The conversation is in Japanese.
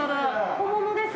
本物です。